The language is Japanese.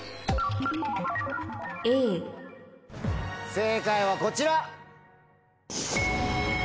正解はこちら。